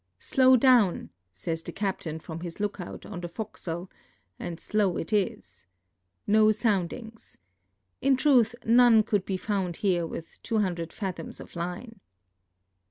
"Slowdown!" .says the captain from his lookout on the fore castle, and slow it is. No .soundings ! In truth none could be found here with 200 fathoms of line.